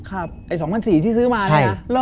ครับไอ้๒๐๐๔ที่ซื้อมาเนี่ย